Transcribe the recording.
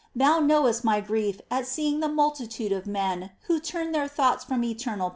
Thou knowest my grief at seeing the multitude of men who turn their thoughts from eternal.